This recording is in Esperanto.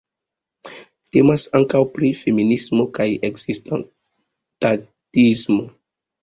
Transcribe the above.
Temas ankaŭ pri feminismo kaj ekzistadismo.